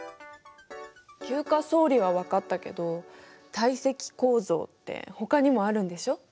級化層理は分かったけど堆積構造ってほかにもあるんでしょ？